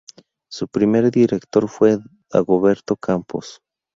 Su primer director fue Dagoberto Campos.